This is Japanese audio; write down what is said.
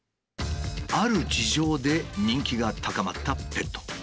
ある事情で人気が高まったペット。